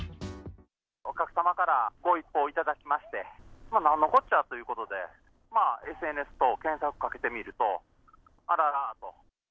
お客様からご一報頂きまして、なんのこっちゃということで、ＳＮＳ等、検索をかけてみると、あららーと。